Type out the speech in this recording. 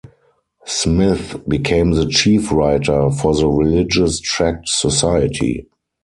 Smith became the chief writer for the Religious Tract Society.